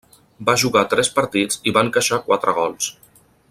Va jugar tres partits i va encaixar quatre gols.